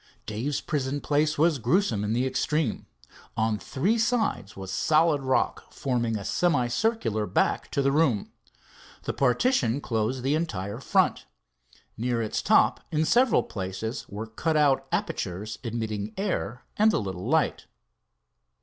Dave's prison place was gruesome in the extreme. On three sides was solid rock, forming a semicircular back to the room. The partition, closed the entire front. Near its top in several places were cut out apertures, admitting air and a little light.